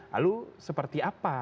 lalu seperti apa